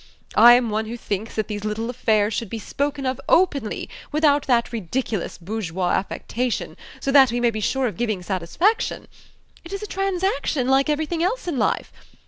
I am one who thinks that these little affairs should be spoken of openly, without that ridiculous bourgeois affectation, so that we may be sure of giving satisfaction. It is a transaction like everything else in life.